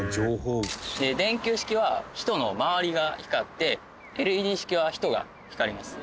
電球式は人の周りが光ってＬＥＤ式は人が光ります。